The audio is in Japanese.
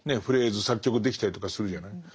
フレーズ作曲できたりとかするじゃない。